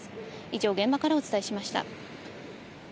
以上、現場からお伝えしました。